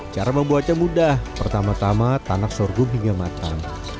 cara membuatnya mudah pertama tama tanak sorghum hingga matang